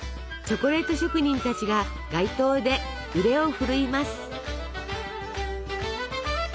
チョコレート職人たちが街頭で腕を振るいます。